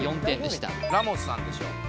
４点でしたラモスさんでしょ